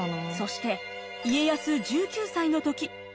そして家康１９歳の時。